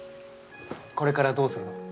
これからどうするの？